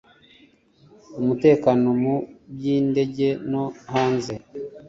u mutekano mu byindege no hanze